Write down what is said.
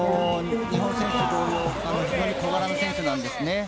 日本選手同様、小柄な選手なんです。